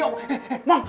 eh eh man